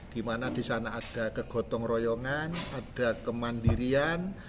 di mana di sana ada kegotong royongan ada kemandirian